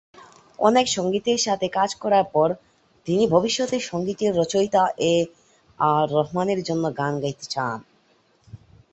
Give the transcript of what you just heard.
অনেক সংগীতের সাথে কাজ করার পর, তিনি ভবিষ্যতে সঙ্গীতের রচয়িতা এ আর রহমানের জন্য গান গাইতে চান।